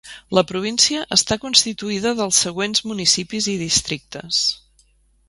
La Província està constituïda dels següents municipis i districtes.